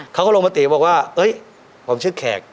เขาก็ลงมาเจอออกว่าไม่ผมชื่อแขก